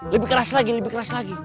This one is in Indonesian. lebih keras lagi lebih keras lagi